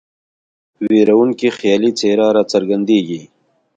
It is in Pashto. ویرونکې خیالي څېره را څرګندیږي.